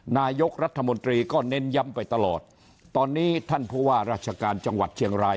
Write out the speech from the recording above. นายกรัฐมนตรีก็เน้นย้ำไปตลอดตอนนี้ท่านผู้ว่าราชการจังหวัดเชียงราย